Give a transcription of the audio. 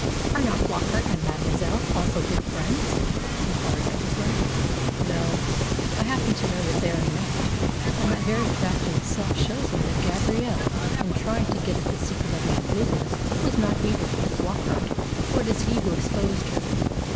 "Are not Flockart and mademoiselle also good friends?" inquired Goslin. "No. I happen to know that they are not, and that very fact in itself shows me that Gabrielle, in trying to get at the secret of my business, was not aided by Flockart, for it was he who exposed her."